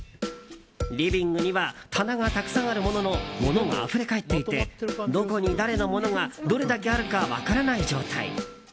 リビングには棚がたくさんあるものの物があふれかえっていてどこに誰のものがどれだけあるか分からない状態。